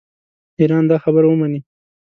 ایران دا خبره ومني.